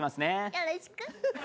よろしく。